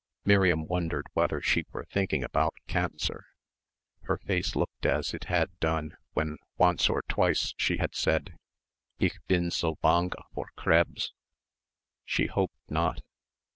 Miriam wondered whether she were thinking about cancer. Her face looked as it had done when once or twice she had said, "Ich bin so bange vor Krebs." She hoped not.